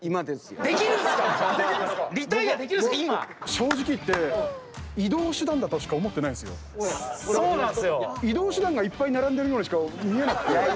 正直言って移動手段がいっぱい並んでるようにしか見えなくて。